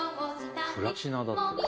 プラチナだって。